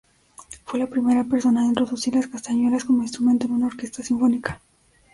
Fue la primera persona en introducir las castañuelas como instrumento en una orquesta sinfónica.